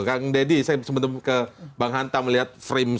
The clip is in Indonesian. kang dedy saya sempat ke bang hanta melihat frame secara lebih